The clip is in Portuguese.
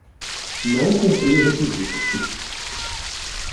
Não cumpri o requisito